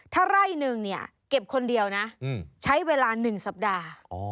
ถ้าไร่นึงเนี่ยเก็บคนเดียวนะใช้เวลา๑สัปดาห์